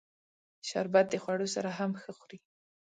شربت د خوړو سره هم ښه خوري